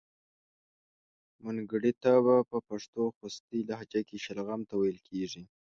منګړیته په پښتو خوستی لهجه کې شلغم ته ویل کیږي.